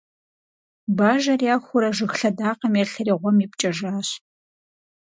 Бажэр яхуурэ, жыг лъэдакъэм елъэри гъуэм ипкӀэжащ.